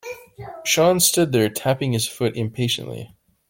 Sean stood there tapping his foot impatiently.